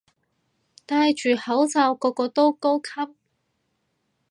戴住口罩個個都高級